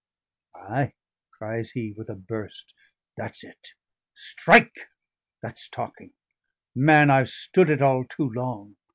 "Ay!" cries he, with a burst, "that's it strike! that's talking! Man, I've stood it all too long.